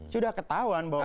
sudah ketahuan bahwa